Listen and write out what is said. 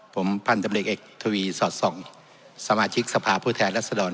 ผมพรรณจำเล็กเอกทวีสอดส่องสมาชิกสภาพผู้แทนรัฐสะดอน